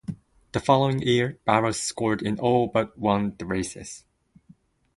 The following year, Barros scored in all but one the races.